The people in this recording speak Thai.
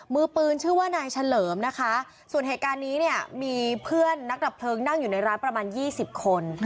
มือปืนชื่อว่านายเฉลิมนะคะส่วนเหตุการณ์นี้เนี่ยมีเพื่อนนักดับเพลิงนั่งอยู่ในร้านประมาณ๒๐คน